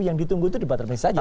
yang ditunggu itu debat termace saja